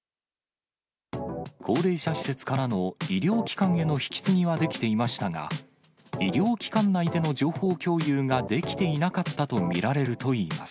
高齢者施設からの医療機関への引き継ぎはできていましたが、医療機関内での情報共有ができていなかったと見られるといいます。